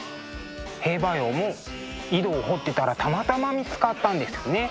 兵馬俑も井戸を掘ってたらたまたま見つかったんですね。